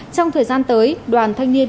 trong thời gian tới đoàn thanh niên